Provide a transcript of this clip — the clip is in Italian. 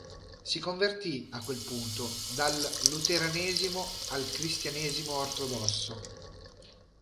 Si convertì a quel punto dal luteranesimo al cristianesimo ortodosso.